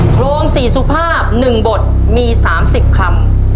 โครงสี่สุภาพหนึ่งบทมีสามสิบคำ